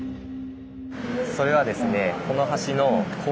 それはですね